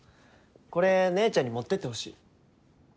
これ姉ちゃんに持ってってほしい。